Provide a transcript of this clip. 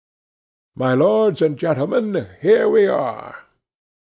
'My lords and gentlemen, here we are!